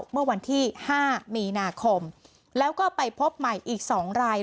เมื่อวันที่๕มีนาคมแล้วก็ไปพบใหม่อีก๒ราย